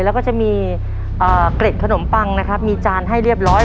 แล้วก็จะมีเกร็ดขนมปังนะครับมีจานให้เรียบร้อย